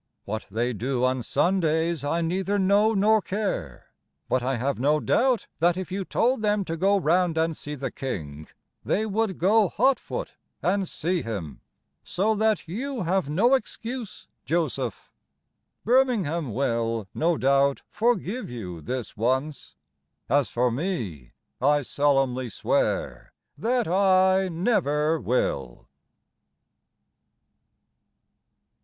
What they do on Sundays I neither know nor care But I have no doubt that, if you told them to go round and see the King, They would go hotfoot and see him. So that you have no excuse, Joseph. Birmingham will, no doubt, forgive you this once: As for me, I solemnly swear that I never will.